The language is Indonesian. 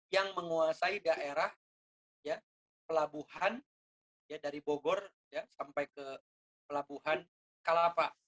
yang menguasai daerah pelabuhan dari bogor sampai ke pelabuhan kalapa